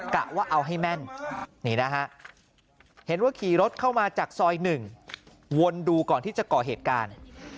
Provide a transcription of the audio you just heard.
กะว่าเอาให้แม่นนี่นะฮะเห็นว่าขี่รถเข้ามาจากซอย๑วนดูก่อนที่จะก่อเหตุการณ์